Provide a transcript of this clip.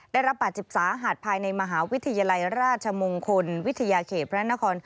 ได้รับบาดเจ็บสาหัสภายในมหาวิทยาลัยราชมงคลวิทยาเขตพระนคร